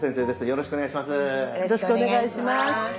よろしくお願いします。